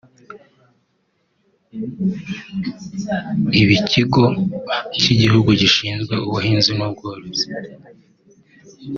ab’ikigo cy’igihugu gishinzwe ubuhinzi n’ubworozi